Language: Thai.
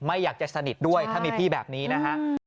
ไม่อยากจะสนิทด้วยถ้ามีพี่แบบนี้นะฮะ